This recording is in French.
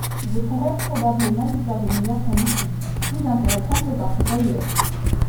Je pourrai probablement vous faire de meilleures conditions, plus intéressantes que partout ailleurs.